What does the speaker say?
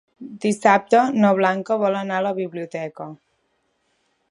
Dissabte na Blanca vol anar a la biblioteca.